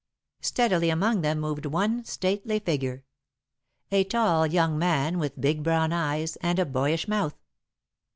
Steadily among them moved one stately figure a tall young man with big brown eyes and a boyish mouth.